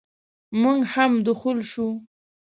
موږ هم دخول شوو.